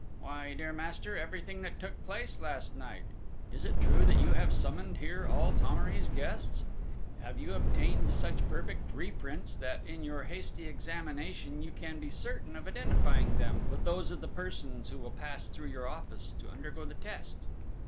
"Why, dear master, everything that took place last night! Is it true that you have summoned here all Thomery's guests?... Have you obtained such perfect reprints that, in your hasty examination, you can be certain of identifying them with those of the persons who will pass through your office to undergo the test?"